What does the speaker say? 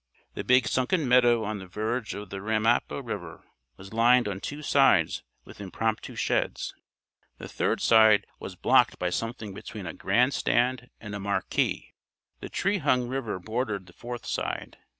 The big sunken meadow on the verge of the Ramapo River was lined on two sides with impromptu sheds. The third side was blocked by something between a grand stand and a marquee. The tree hung river bordered the fourth side.